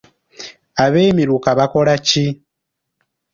Abeemiruka bakola ki?